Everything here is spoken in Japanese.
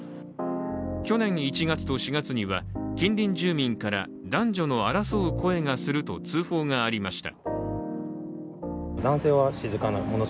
去年１月と４月には近隣住民から男女の争う声がすると通報がありました。